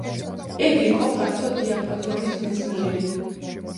იგი იყო ფართო დიაპაზონის მეცნიერი.